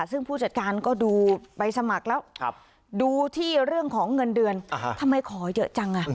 ซึ่งผู้จัดการก็ดูใบสมัครแล้วดูที่เรื่องของเงินเดือนทำไมขอเยอะจังอ่ะ